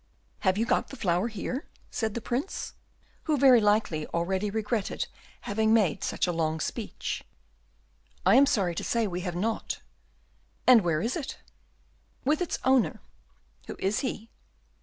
"Have you got the flower here?" said the Prince, who, very likely, already regretted having made such a long speech. "I am sorry to say we have not." "And where is it?" "With its owner." "Who is he?"